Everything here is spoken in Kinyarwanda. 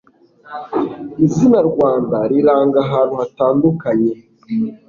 Izina “Rwanda” riranga ahantu hatandukanye